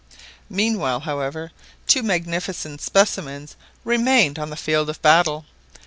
Meanwhile, however, two magnificent specimens remained on the field of battle.